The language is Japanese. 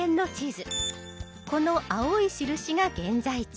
この青い印が現在地